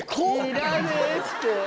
いらねえって。